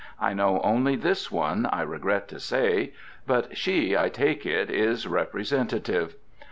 I know only this one, I regret to say, but she, I take it, is representative.